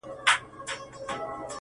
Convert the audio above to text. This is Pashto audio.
زما د زړه په هغه شين اسمان كي؛